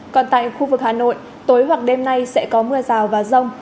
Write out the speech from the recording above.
còn tại khu vực hà nội tối hoặc đêm nay sẽ có mưa rào và rông